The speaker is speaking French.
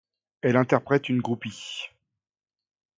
Elle interprète une groupie.